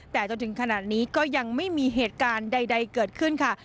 แต่จนถึงขนาดนี้ก็ยังไม่มีเหตุการณ์ใดเกิดขึ้นค่ะ